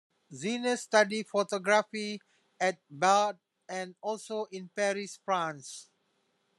Zinner studied photography at Bard and also in Paris, France.